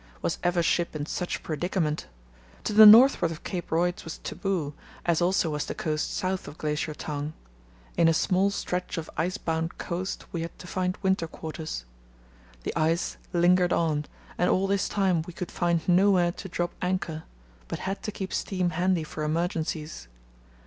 Was ever ship in such predicament? To the northward of Cape Royds was taboo, as also was the coast south of Glacier Tongue. In a small stretch of ice bound coast we had to find winter quarters. The ice lingered on, and all this time we could find nowhere to drop anchor, but had to keep steam handy for emergencies.